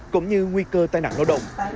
cũng như nguy cơ tai nạn lao động